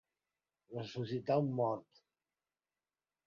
Ressuscitar un mort.